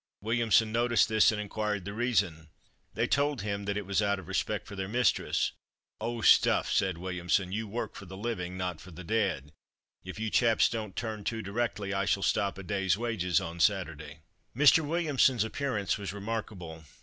Williamson noticed this, and inquired the reason? They told him that it was out of respect for their mistress. "Oh! stuff," said Williamson, "you work for the living, not for the dead. If you chaps don't turn to directly, I shall stop a day's wages on Saturday." Mr. Williamson's appearance was remarkable.